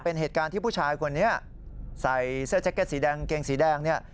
เป็นเหตุการณ์ที่ผู้ชายคนนี้ใส่เสื้อแจ็คเก็ตสีแดงเกงสีแดงเนี่ย